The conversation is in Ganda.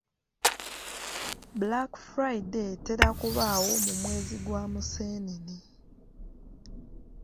Black Friday etera kubaawo mu mwezi gwa Museenene.